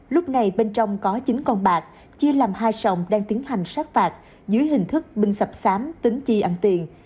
lúc này bên trong có chín con bạc chia làm hai sòng đang tiến hành sát bạc dưới hình thức binh sập sám tính chi ăn tiền